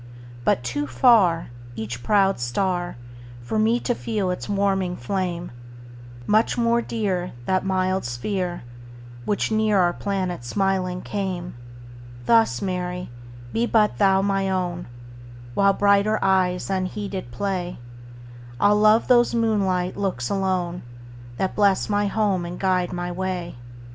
But too farEach proud star, For me to feel its warming flame; Much more dear, That mild sphere, Which near our planet smiling came; Thus, Mary, be but thou my own; While brighter eyes unheeded play, I'll love those moonlight looks alone, That bless my home and guide my way.